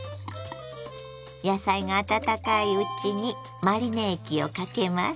野菜が温かいうちにマリネ液をかけます。